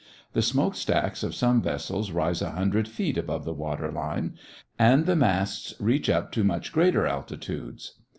The smoke stacks of some vessels rise a hundred feet above the water line, and the masts reach up to much greater altitudes.